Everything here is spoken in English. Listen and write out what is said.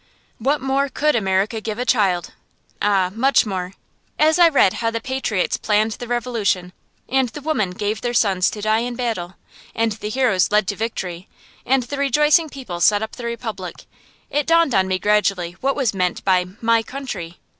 What more could America give a child? Ah, much more! As I read how the patriots planned the Revolution, and the women gave their sons to die in battle, and the heroes led to victory, and the rejoicing people set up the Republic, it dawned on me gradually what was meant by my country.